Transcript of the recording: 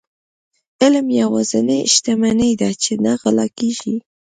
علم يوازنی شتمني ده چي نه غلا کيږي.